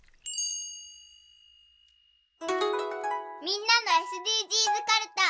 みんなのＳＤＧｓかるた。